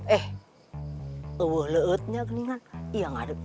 eh lewat lewatnya geningan